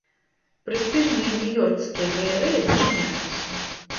Прэстыжныя нью-ёрскія галерэі зачыняюцца.